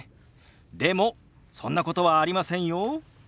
でもそんなことはありませんよ。